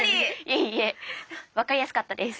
いえいえ分かりやすかったです。